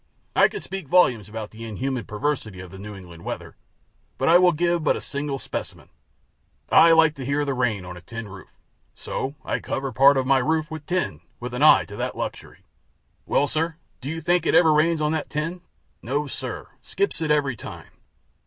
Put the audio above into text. I could speak volumes about the inhuman perversity of the New England weather, but I will give but a single specimen. I like to hear rain on a tin roof. So I covered part of my roof with tin, with an eye to that luxury. Well, sir, do you think it ever rains on that tin? No, sir; skips it every time.